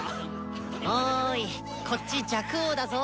おーいこっち若王だぞ。